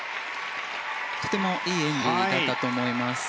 とてもいい演技だったと思います。